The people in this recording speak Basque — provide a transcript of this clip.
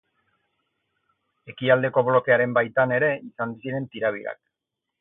Ekialdeko Blokearen baitan ere izan ziren tirabirak.